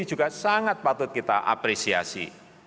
ini juga sangat patut kita apresiasi